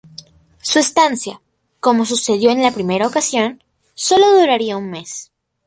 Su estancia, como sucedió en la primera ocasión, sólo duraría un mes.